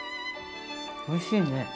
おいしいね！